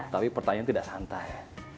tapi pertanyaan tidak santai